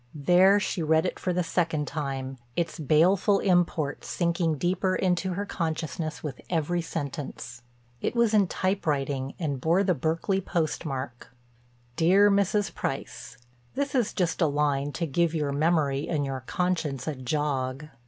There she read it for the second time, its baleful import sinking deeper into her consciousness with every sentence. It was in typewriting and bore the Berkeley postmark: "Dear Mrs. Price: "This is just a line to give your memory and your conscience a jog.